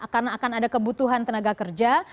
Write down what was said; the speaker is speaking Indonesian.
karena akan ada kebutuhan tenaga keras